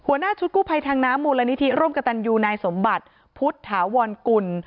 หน้าชุดกู้ภัยทางน้ำมูลนิธิร่มกระตันยูนายสมบัติพุทธาวรกุล